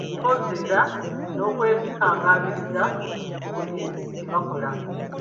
Mpozi era n'okwekangabiriza mu buli kye bakola.